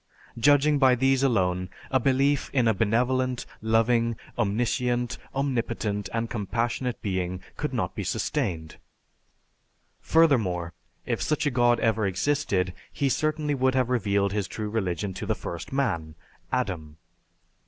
Judging by these alone, a belief in a benevolent, loving, omniscient, omnipotent, and compassionate Being could not be sustained. Furthermore, if such a God ever existed, he certainly would have revealed his true religion to the first man, Adam.